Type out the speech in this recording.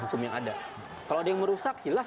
hukum yang ada kalau ada yang merusak jelas